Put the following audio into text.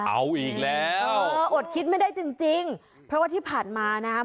เอาอีกแล้วเอออดคิดไม่ได้จริงจริงเพราะว่าที่ผ่านมานะครับ